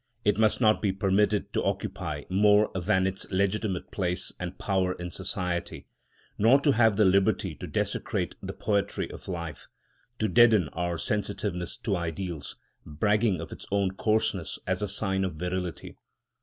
It must not be permitted to occupy more than its legitimate place and power in society, nor to have the liberty to desecrate the poetry of life, to deaden our sensitiveness to ideals, bragging of its own coarseness as a sign of virility.